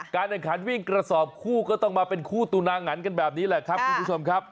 แข่งขันวิ่งกระสอบคู่ก็ต้องมาเป็นคู่ตุนางันกันแบบนี้แหละครับคุณผู้ชมครับ